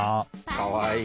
かわいい！